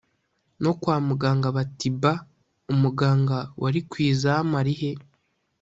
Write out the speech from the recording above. no kwa muganga bati ba! umuganga wari ku izamu arihe